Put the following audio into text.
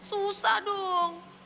hah susah dong